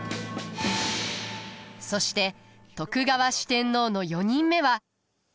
そして徳川四天王の４人目は。